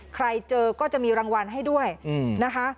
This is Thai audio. เจอก็จะมีรางวัลให้ด้วยนะคะ